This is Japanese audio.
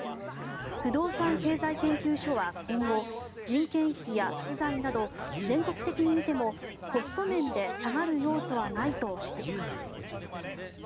不動産経済研究所は今後、人件費や資材など全国的に見てもコスト面で下がる要素はないとしています。